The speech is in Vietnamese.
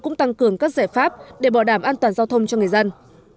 cũng tăng cường các giải pháp để bảo đảm an toàn giao thông cho người dân